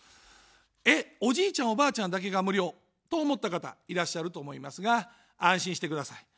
え、おじいちゃん、おばあちゃんだけが無料と思った方いらっしゃると思いますが安心してください。